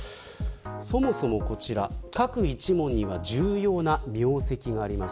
そもそも、各一門には重要な名跡があります。